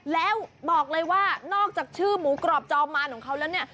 แล้วบอกเลยว่านอกจากชื่อหมูกรอบจอมมารของเขาแล้วเนี่ย